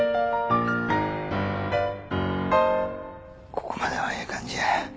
ここまではええ感じや。